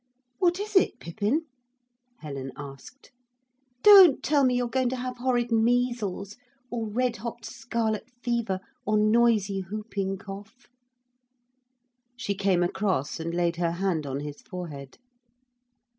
'What is it, Pippin?' Helen asked. 'Don't tell me you're going to have horrid measles, or red hot scarlet fever, or noisy whooping cough.' She came across and laid her hand on his forehead.